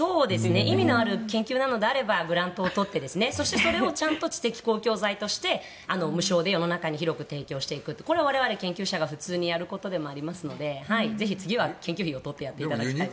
意味のある研究なのであればグラントを取ってそしてそれをちゃんと知的公共財として無償で世の中に広く提供していくこれは我々研究者が普通にやることですのでぜひ次は、研究費を取ってやっていただきたいです。